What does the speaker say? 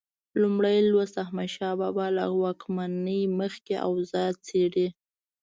لومړی لوست د احمدشاه بابا له واکمنۍ مخکې اوضاع څېړي.